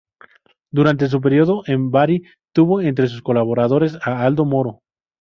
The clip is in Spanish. Durante su período en Bari tuvo entre sus colaboradores a Aldo Moro.